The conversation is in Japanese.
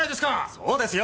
そうですよ！